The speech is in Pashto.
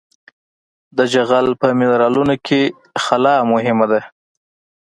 د جغل په منرالونو کې خلا مهمه ده